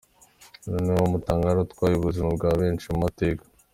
Uyu ni wo mutambagiro utwaye ubuzima bwa benshi mu mateka.